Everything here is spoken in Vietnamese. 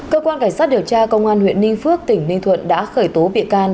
cơ quan cảnh sát điều tra công an huyện ninh phước tỉnh ninh thuận đã khởi tố bị can